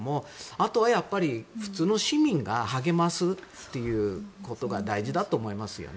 あとは普通の市民が励ますということが大事だと思いますよね。